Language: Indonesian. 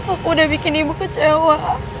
aku udah bikin ibu kecewa